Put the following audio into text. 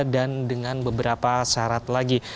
dan dengan beberapa syarat lagi